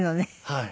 はい。